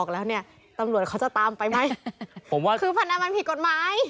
แล้วเนี่ยตำรวจเขาจะตามไปไหมผมว่าคือพนันมันผิดกฎหมาย